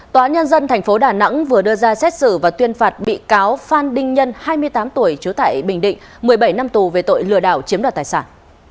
tòa nhân dân tp đà nẵng vừa đưa ra xét xử và tuyên phạt bị cáo phan đinh nhân hai mươi tám tuổi trú tại bình định một mươi bảy năm tù về tội lừa đảo chiếm đoạt tài sản